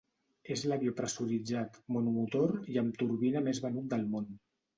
És l'avió pressuritzat, monomotor i amb turbina més venut del món.